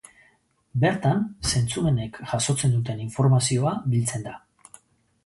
Bertan zentzumenek jasotzen duten informazioa biltzen da.